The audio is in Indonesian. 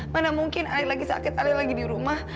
mana mungkin alia lagi sakit alia lagi di rumah